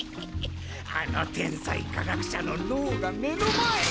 あの天才科学者の脳が目の前に。